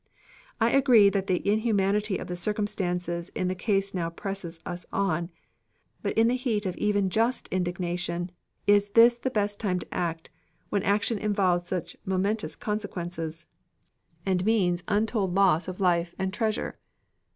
"I agree that the inhumanity of the circumstances in the case now presses us on, but in the heat of even just indignation is this the best time to act, when action involves such momentous consequences and means untold loss of life and treasure?